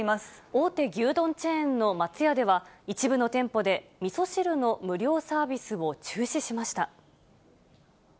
大手牛丼チェーンの松屋では、一部の店舗でみそ汁の無料サービスを中止しました。